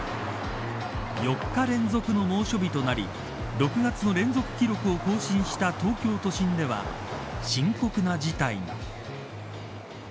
４日連続の猛暑日となり６月の連続記録を更新した東京都心では深刻な事態が。